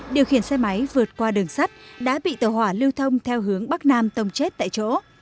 điều khiển xe máy vượt qua đường sắt đã bị tàu hỏa lưu thông theo hướng bắc nam tông chết tại chỗ